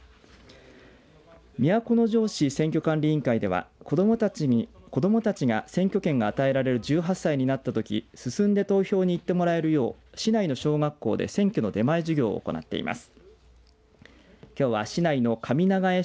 都城市選挙管理委員会では子どもたちに選挙権が与えられる１８歳になったとき進んで投票に行ってらえるよう市内の小学校で選挙の出前授業を行っています。